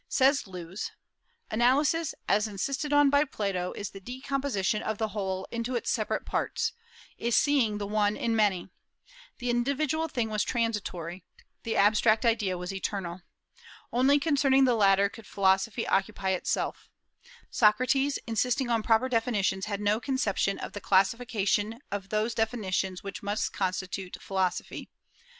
Says Lewes: "Analysis, as insisted on by Plato, is the decomposition of the whole into its separate parts, is seeing the one in many.... The individual thing was transitory; the abstract idea was eternal. Only concerning the latter could philosophy occupy itself. Socrates, insisting on proper definitions, had no conception of the classification of those definitions which must constitute philosophy.